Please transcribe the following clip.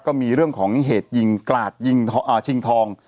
ก็มีเรื่องของเหตุยิงกราดยิงชิงทอง